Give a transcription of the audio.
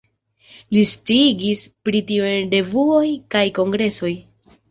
Li sciigis pri tio en revuoj kaj kongresoj.